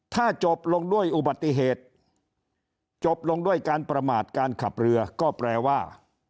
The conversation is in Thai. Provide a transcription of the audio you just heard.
ถ้าจบลงด้วยอุบัติเหตุจบลงด้วยการประมาทการขับเรือก็แปลว่า